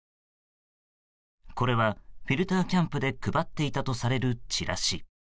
これは、フィルターキャンプで配っていたとされるチラシ。